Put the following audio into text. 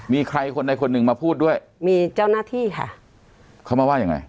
มีใครคนใดคนหนึ่งมาพูดด้วยมีเจ้าหน้าที่ค่ะเขามาว่ายังไง